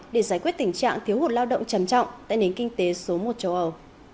để giải quyết tình trạng thiếu hụt lao động trầm trọng tại nền kinh tế số một châu âu